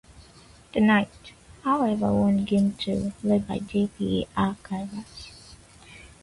The Knights, however, won game two, led by J P Alcaraz.